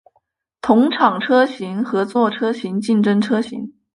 同厂车型合作车型竞争车型